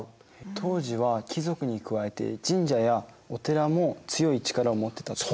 当時は貴族に加えて神社やお寺も強い力を持ってたってことですか？